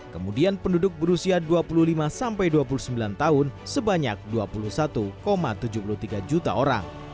kemudian penduduk berusia dua puluh lima sampai dua puluh sembilan tahun sebanyak dua puluh satu tujuh puluh tiga juta orang